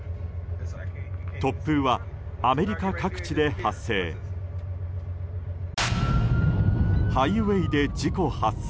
突風は、アメリカ各地で発生。